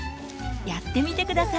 やってみて下さい。